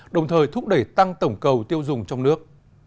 đồng thời thúc đẩy tăng tổng cầu tiêu dùng trong nước